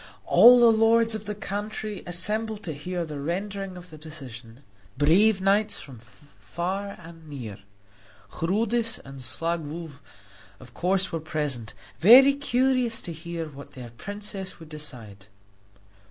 All the lords of the country assembled to hear the rendering of the decision brave knights from far and near. Chrudis and Staglow, of course, were present, very curious to hear what their princess would decide.